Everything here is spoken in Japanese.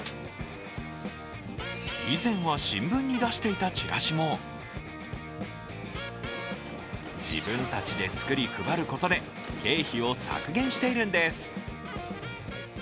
以前は新聞に出していたチラシも自分たちで作り配ることで経費を削減しているんです。